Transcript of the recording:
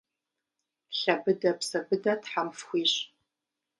Лъэ быдэ, псэ быдэ Тхьэм фхуищӏ!